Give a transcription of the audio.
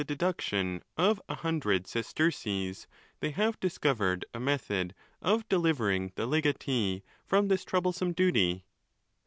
deduction of a hundred sesterces, they have discovered a method of delivering the legatee from this troublesome duty.